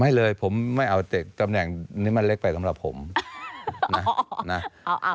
ไม่เลยผมไม่เอาแต่ตำแหน่งนี้มันเล็กไปสำหรับผมนะ